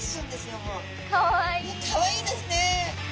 ねっかわいいですね。